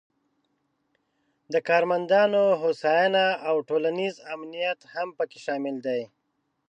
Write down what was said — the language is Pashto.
د کارمندانو هوساینه او ټولنیز امنیت هم پکې شامل دي.